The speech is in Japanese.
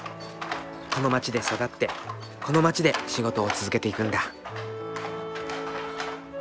この街で育ってこの街で仕事を続けていくんだ。